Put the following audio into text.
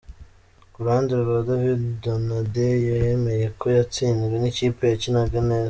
Ku ruhande rwa David Donadei, yemeye ko yatsinzwe n’ikipe yakinaga neza.